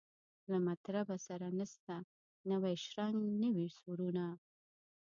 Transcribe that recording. له مطربه سره نسته نوی شرنګ نوي سورونه